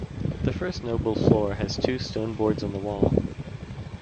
The first noble floor has two stone boards on the wall.